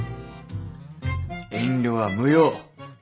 遠慮は無用。